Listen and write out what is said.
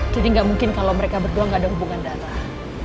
jadi gak mungkin kalau mereka berdua gak ada hubungan darah